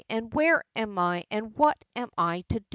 and where am I? and what am I to do?"